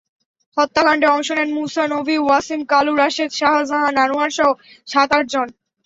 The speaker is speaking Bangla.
হত্যাকাণ্ডে অংশ নেন মুছা, নবী, ওয়াসিম, কালু, রাশেদ, শাহজাহান, আনোয়ারসহ সাত-আটজন।